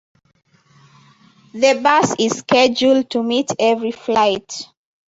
The bus is scheduled to meet every flight.